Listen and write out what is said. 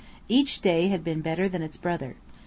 Each day had been better than its brother.